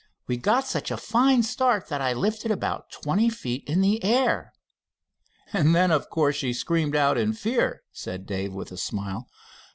We got such a fine start that I lifted about twenty feet in the air." "And then, of course, she screamed out in fear?" said Dave, with a smile.